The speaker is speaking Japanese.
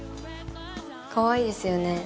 かわいいですよね。